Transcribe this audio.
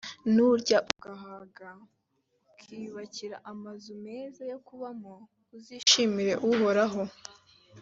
nurya ugahaga, ukiyubakira amazu meza yo kubamo uzishimire uhoraho,